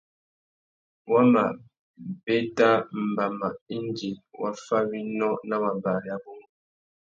Wa mà bēta mbama indi wa fá winô nà wabari abú nguru.